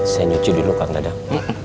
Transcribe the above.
saya nyuci dulu kang dadang